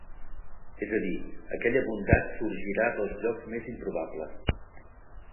És a dir, aquella bondat sorgirà dels llocs més improbables.